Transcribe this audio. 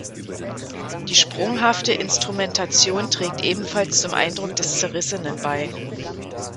Die sprunghafte Instrumentation trägt ebenfalls zum Eindruck des Zerrissenen bei.